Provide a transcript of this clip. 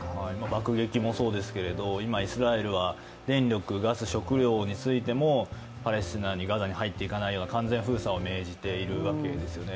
爆撃もそうですが、今、イスラエルは電力、ガス、食料についてもパレスチナにガザに入っていかないような完全封鎖を命じているわけですよね。